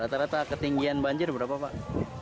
rata rata ketinggian banjir berapa pak